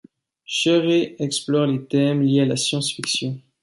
Scheurer explore les thèmes liés à la science-fiction.